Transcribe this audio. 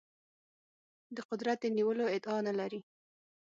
د قدرت د نیولو ادعا نه لري.